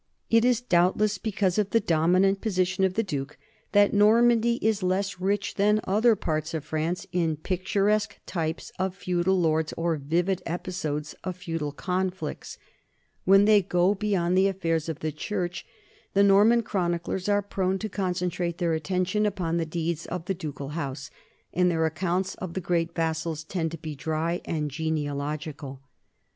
It is doubtless because of the dominant position of the duke that Normandy is less rich than some other parts of France in picturesque types of feudal lords or vivid episodes of feudal conflicts. When they go beyond the 1 The Loss of Normandy, pp. 298 ff. 154 NORMANS IN EUROPEAN HISTORY affairs of the church, the Norman chroniclers are prone to concentrate their attention upon the deeds of the du cal house, and their accounts of the great vassals tend to be dry and genealogical.